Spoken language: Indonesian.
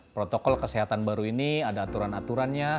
protokol kesehatan baru ini ada aturan aturannya